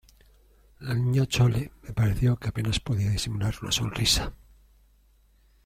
la Niña Chole me pareció que apenas podía disimular una sonrisa: